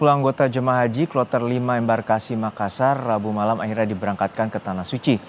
sepuluh anggota jemaah haji kloter lima embarkasi makassar rabu malam akhirnya diberangkatkan ke tanah suci